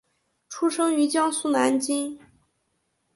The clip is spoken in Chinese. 出生于江苏南京。